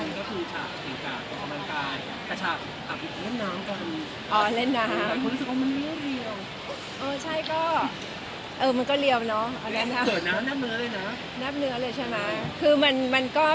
มันก็คือภาพรวมกับมันกลาย